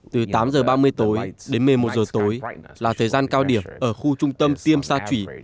từ tám giờ ba mươi tối đến một mươi một giờ tối là thời gian cao điểm ở khu trung tâm tiêm xa trị